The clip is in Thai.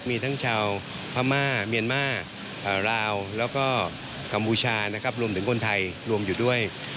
มีทั้งชาวพม่าเมียนมาร์แล้วก็กัมพูชานะครับรวมถึงคนไทยรวมอยู่ด้วย